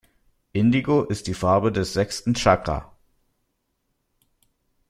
Indigo ist die Farbe des sechsten Chakra.